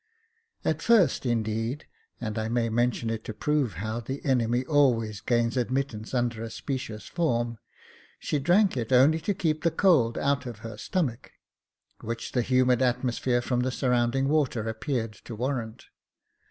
At first, indeed — and I may mention it to prove how the enemy always gains admittance under a specious form — she drank it only to keep the cold out of her stomach, which the humid atmosphere from the surrounding water appeared to warrant.